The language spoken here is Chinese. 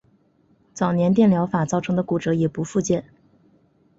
早年电疗法造成的骨折已不复见。